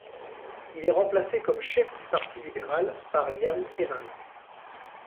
Il est remplacé comme chef du Parti libéral par Iain Evans.